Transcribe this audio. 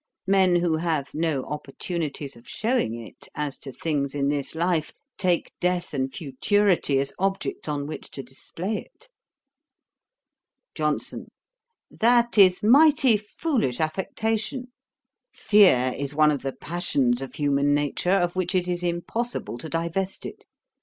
Men who have no opportunities of shewing it as to things in this life, take death and futurity as objects on which to display it.' JOHNSON. 'That is mighty foolish affectation. Fear is one of the passions of human nature, of which it is impossible to divest it.